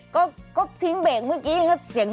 ก็ทิ้งเบรกด้วยเมื่อกี้